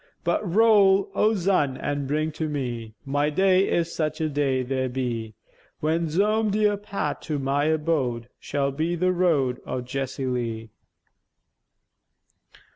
But roll, O zun, an' bring to me My day, if such a day there be, When zome dear path to my abode Shall be the road o' Jessie Lee.